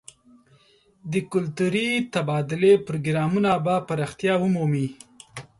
د کلتوري تبادلې پروګرامونه به پراختیا ومومي.